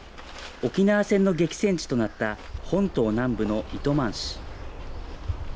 沖縄戦の激戦地となった本島南部の糸満市。